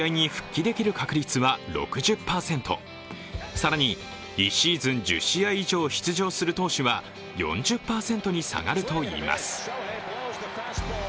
更に、１シーズン１０試合以上出場する投手は４０％に下がるといいます。